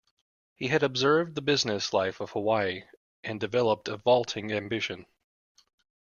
He had observed the business life of Hawaii and developed a vaulting ambition.